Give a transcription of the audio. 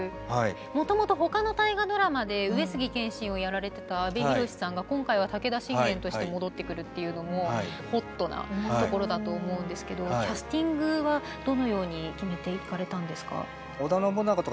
もともと他の大河ドラマで上杉謙信をやられていた阿部寛さんが今回は武田信玄として戻ってくるというのもホットなところだと思うんですけどキャスティングは、どのように決めていかれたんですか？